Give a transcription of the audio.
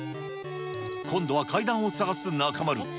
今度は階段を探す中丸。